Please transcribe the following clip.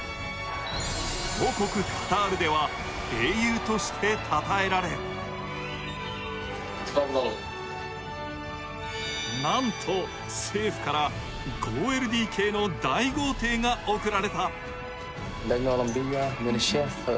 母国カタールでは英雄としてたたえられなんと、政府から５ＬＤＫの大豪邸が贈られた。